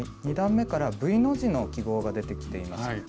２段めからＶの字の記号が出てきています。